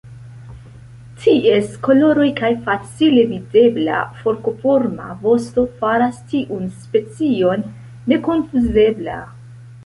Ties koloroj kaj facile videbla forkoforma vosto faras tiun specion nekonfuzebla.